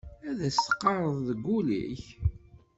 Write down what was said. Ad s-teqqareḍ deg ul-ik.